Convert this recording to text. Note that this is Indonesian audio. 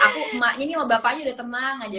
aku emaknya nih sama bapaknya udah temang aja